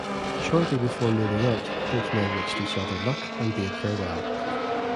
Shortly before moving out, both men wished each other luck and bade farewell.